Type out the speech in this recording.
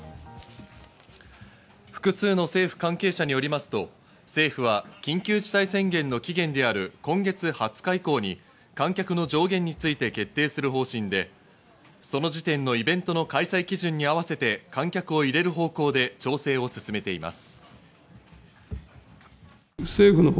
複数の政府関係者によりますと、政府は緊急事態宣言の期限である今月２０日以降に観客の上限について決定する方針で、その時点のイベントの開催基準に合わせて観客を入れる方向で調整を進めています。